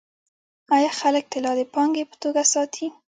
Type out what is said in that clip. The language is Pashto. آیا خلک طلا د پانګې په توګه ساتي؟